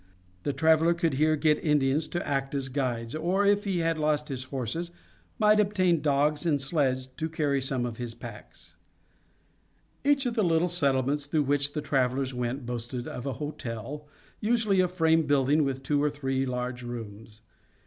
The traveler could here get Indians to act as guides, or if he had lost his horses might obtain dogs and sleds to carry some of his packs. Each of the little settlements through which the travelers went boasted of a hotel, usually a frame building with two or three large rooms.